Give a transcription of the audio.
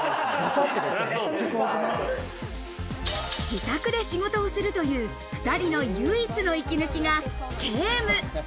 自宅で仕事をするという２人の唯一の息抜きがゲーム。